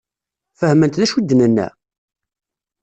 Fehment d acu i d-nenna?